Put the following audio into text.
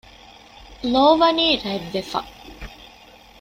ލޯ ވަނީ ރަތް ވެފަ